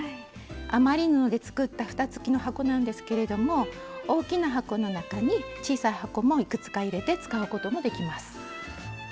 余り布で作ったふた付きの箱なんですけれども大きな箱の中に小さい箱もいくつか入れて使うこともできます。